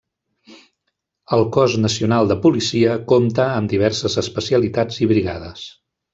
El Cos Nacional de Policia compta amb diverses especialitats i brigades.